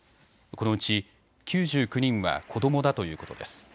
このうち９９人は子どもだということです。